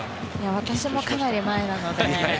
私も、かなり前なので。